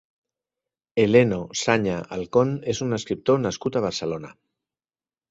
Heleno Saña Alcón és un escriptor nascut a Barcelona.